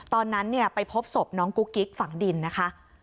ตอนนั้นไปพบศพน้องกุ๊กกิ๊กฝังดินนะคะ